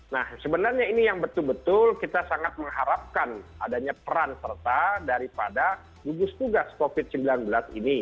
nah sebenarnya ini yang betul betul kita sangat mengharapkan adanya peran serta daripada gugus tugas covid sembilan belas ini